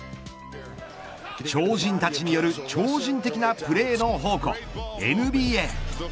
超人たちによる超人的なプレーの宝庫ＮＢＡ。